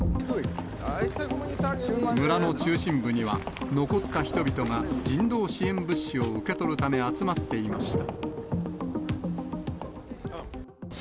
村の中心部には、残った人々が人道支援物資を受け取るため、集まっていました。